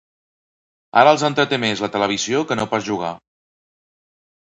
Ara els entreté més la televisió que no pas jugar.